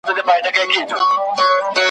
چي مي خپل سي له شمشاده تر چتراله !.